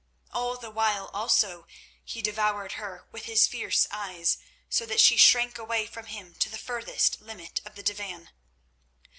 All the while also he devoured her with his fierce eyes so that she shrank away from him to the furthest limit of the divan.